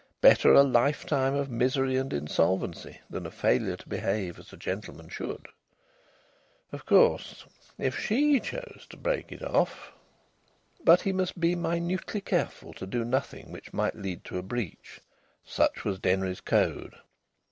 Better a lifetime of misery and insolvency than a failure to behave as a gentleman should. Of course, if she chose to break it off.... But he must be minutely careful to do nothing which might lead to a breach. Such was Denry's code.